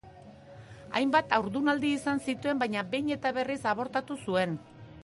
Hainbat haurdunaldi izan zituen baina behin da berriz abortatu zuen.